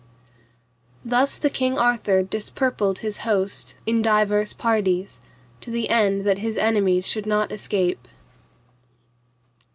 Thus the King Arthur disperpled his host in divers parties, to the end that his enemies should not escape.